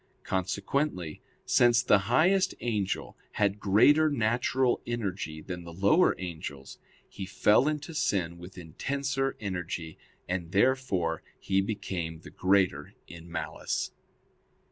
Consequently since the highest angel had greater natural energy than the lower angels, he fell into sin with intenser energy, and therefore he became the greater in malice.